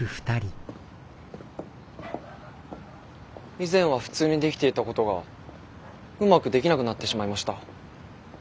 以前は普通にできていたことがうまくできなくなってしまいました。